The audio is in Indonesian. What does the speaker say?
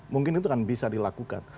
mungkin itu akan bisa dilakukan